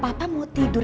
pa papa mau tidur